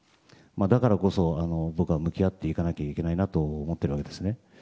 だからこそ僕は向き合っていかなきゃいけないなと思っているわけです。